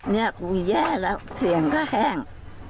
เนี่ยกูแย่แล้วเสียงก็แห้ง